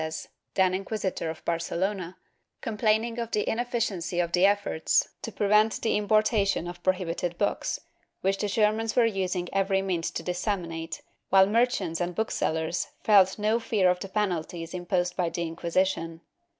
Chap IV] THE INDEX 485 1540, from the Suprema to Loazes, then Inquisitor of Barcelona, complaining of the inefficiency of the efforts to prevent the impor tation of prohibited books, which the Germans were using every means to disseminate, while merchants and booksellers felt no fear of the penalties imposed by the Inquisition.